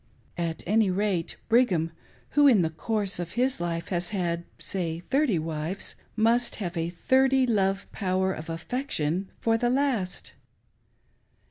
At that rate, Brigham, who in the course of his life has had — say, thirty wives, must have a " 30 love " power of affection for the last.